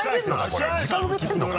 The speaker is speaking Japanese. これ時間埋めてるのか？